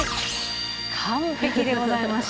完璧でございます。